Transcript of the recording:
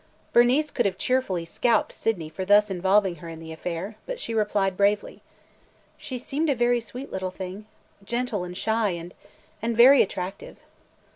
Bernice could have cheerfully scalped Sydney for thus involving her in the affair, but she replied bravely, "She seemed a very sweet little thing, gentle and shy and – and very attractive."